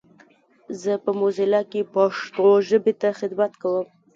زه په موزیلا کې پښتو ژبې ته خدمت کوم.